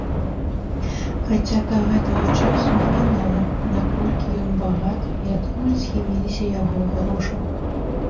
Хаця да гэтага часу невядома, наколькі ён багаты і адкуль з'явіліся яго грошы.